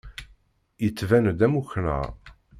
Yettban-d am uknar.